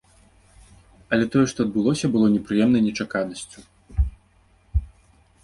Але тое, што адбылося, было непрыемнай нечаканасцю.